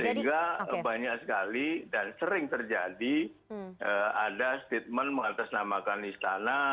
sehingga banyak sekali dan sering terjadi ada statement mengatasnamakan istana